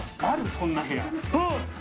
そんな部屋。